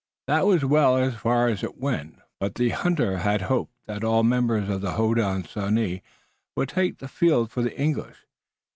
That was well as far as it went, but the hunter had hoped that all the members of the Hodenosaunee would take the field for the English.